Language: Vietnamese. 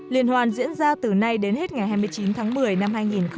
liên hoàn diễn ra từ nay đến hết ngày hai mươi chín tháng một mươi năm hai nghìn một mươi chín